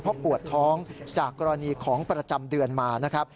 เพราะปวดท้องจากกรณีของประจำเดือนมานะครับ